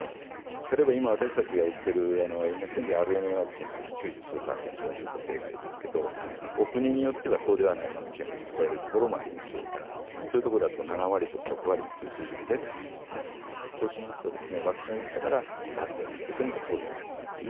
例えば今私たちが打っているメッセンジャーＲＮＡというのは９０数パーセントの有効性がありますがお国によってはそうではないワクチンを打ってこられるところもありますからそうすると、６割とか７割という数字も出ていますのでそうするとワクチンを打ったから万全ということには当然なりませんね。